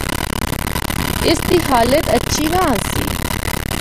اس دی حالت ہچھی نہ آسی۔